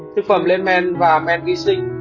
thực phẩm lên men và men ghi sinh